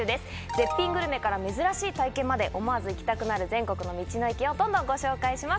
絶品グルメから珍しい体験まで思わず行きたくなる全国の道の駅をどんどんご紹介します。